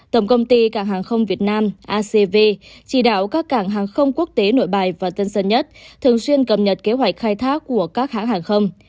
tổng công ty cảng hàng không việt nam acv chỉ đạo các cảng hàng không quốc tế nội bài và tân sơn nhất thường xuyên cập nhật kế hoạch khai thác của các hãng hàng không